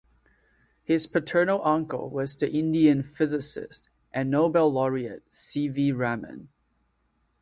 His paternal uncle was the Indian physicist and Nobel laureate C. V. Raman.